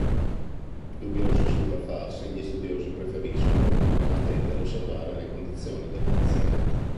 Dubbiosi sul da farsi, gli studiosi preferiscono attendere e osservare le condizioni del paziente.